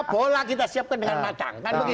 bola kita siapkan dengan matang